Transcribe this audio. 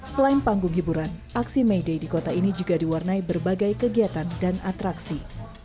selain panggung hiburan aksi may day di kota ini juga diwarnai berbagai kegiatan dan atraksi